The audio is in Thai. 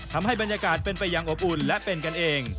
ทำให้บรรยากาศเป็นไปอย่างอบอุ่นและเป็นกันเอง